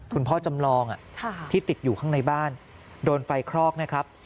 คุณพ่อจำลองอ่ะค่ะที่ติดอยู่ข้างในบ้านโดนไฟคลอกนะครับ